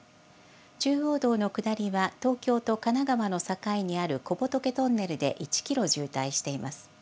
中央道の下りは東京と神奈川の境にある小仏トンネルで１キロ渋滞しています。